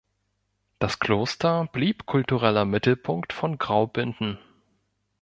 Das Kloster blieb kultureller Mittelpunkt von Graubünden.